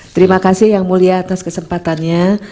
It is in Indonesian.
terima kasih yang mulia atas kesempatannya